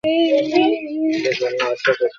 ঠিক আমেরিকার মত সুসম্পন্ন না হলেও কতক বটে।